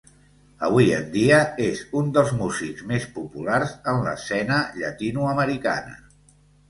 Avui en dia és un dels músics més populars en l'escena llatinoamericana.